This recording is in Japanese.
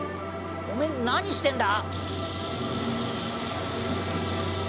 おめえ何してんだ！？